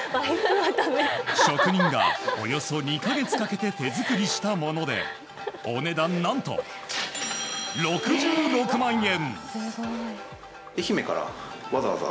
職人がおよそ２か月かけて手作りしたものでお値段、何と６６万円。